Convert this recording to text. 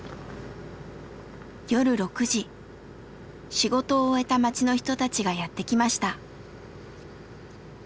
仕事を終えた町の人たちがやって来ました。